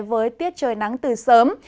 với tiết trời nắng từ sớm